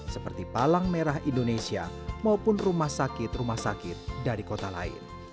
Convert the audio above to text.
seperti palang merah indonesia maupun rumah sakit rumah sakit dari kota lain